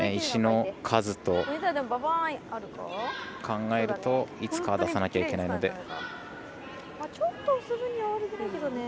石の数を考えるといつかは出さなきゃいけないので。